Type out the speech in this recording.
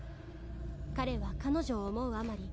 「彼は彼女を思うあまり」